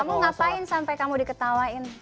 kamu ngapain sampai kamu diketawain